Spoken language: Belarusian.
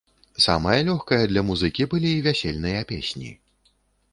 Самае лёгкае для музыкі былі вясельныя песні.